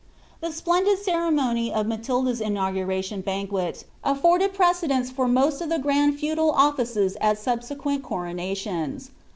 The splendid ceremonial of Matilda's inauguration banquet afforded precedents for most of the grand feudal offices at subsequent corona tions.'